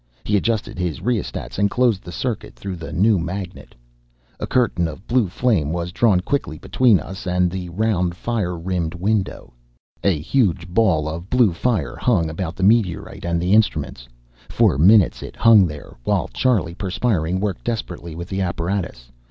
He adjusted his rheostats and closed the circuit through the new magnet. A curtain of blue flame was drawn quickly between us and the round, fire rimmed window. A huge ball of blue fire hung, about the meteorite and the instruments. For minutes it hung there, while Charlie, perspiring, worked desperately with the apparatus.